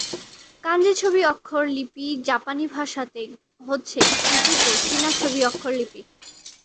কাঞ্জি ছবি-অক্ষর লিপি জাপানি ভাষাতে হচ্ছে গৃহীত চীনা ছবি-অক্ষর লিপি।